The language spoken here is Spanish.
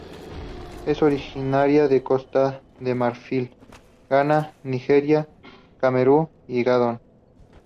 Es originaria de Costa de Marfil, Ghana, Nigeria, Camerún y Gabón.